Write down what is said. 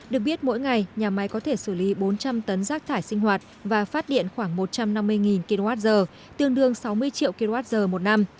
được biết mỗi ngày nhà máy có thể xử lý bốn trăm linh tấn rác thải sinh hoạt và phát điện khoảng một trăm năm mươi kwh tương đương sáu mươi triệu kwh một năm